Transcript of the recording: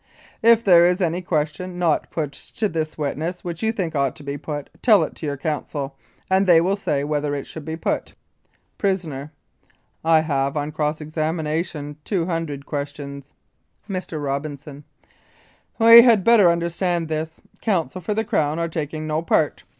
If there is any question not put to this witness which you think ought to be put, tell it to your counsel, and they will say whether it should be put. PRISONER: I have on cross examination 200 ques tions. Mr. ROBINSON: We had better understand this. Counsel for the Crown are taking no part.